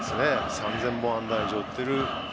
３０００本安打以上打っている。